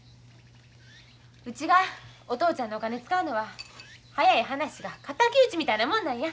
うちがお父ちゃんのお金使うのは早い話が敵討ちみたいなもんなんや。